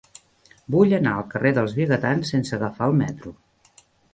Vull anar al carrer dels Vigatans sense agafar el metro.